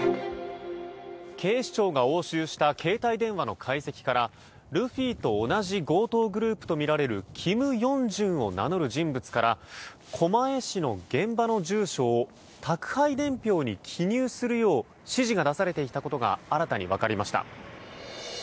警視庁が押収した携帯電話の解析からルフィと同じ強盗グループとみられるキム・ヨンジュンを名乗る人物から狛江市の現場の住所を宅配伝票に記入するよう指示が出されていたことが新たにわかりました。